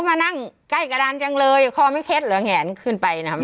มานั่งใกล้กระดานจังเลยคอไม่เคล็ดเหรอแงนขึ้นไปนะครับ